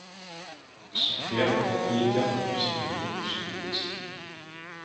Son père est propriétaire d'une usine de production de textile.